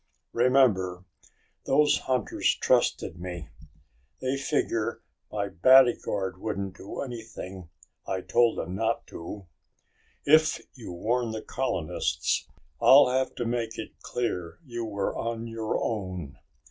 "Remember, those hunters trusted me. They figure my bodyguard wouldn't do anything I told him not to. If you warn the colonists, I'll have to make it clear you were on your own."